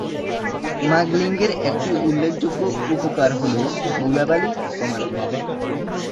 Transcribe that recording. মাগলিংয়ের একটা উল্লেখযোগ্য উপকার হল, ধুলাবালি কমানো।